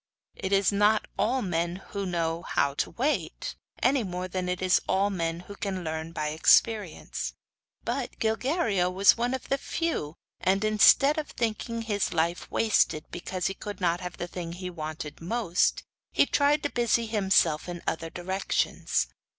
It is not all men who know hot to wait, any more than it is all men who can learn by experience; but Gilguerillo was one of the few and instead of thinking his life wasted because he could not have the thing he wanted most, he tried to busy himself in other directions.